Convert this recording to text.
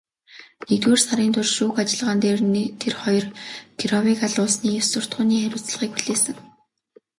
Нэгдүгээр сарын шүүх ажиллагаан дээр тэр хоёр Кировыг алуулсны ёс суртахууны хариуцлагыг хүлээсэн.